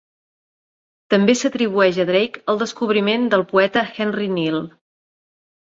També s'atribueix a Drake el descobriment del poeta Henry Neele.